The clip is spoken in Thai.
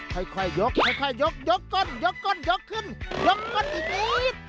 ค่อยค่อยยกค่อยค่อยยกยกก้นยกก้นยกขึ้นยกก้นอีกนี้